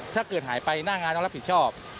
ถ้าเกิดหายไปหน้างานต้องรับผิดชอบ